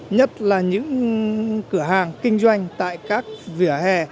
nhất là những cửa hàng kinh doanh tại các vỉa hè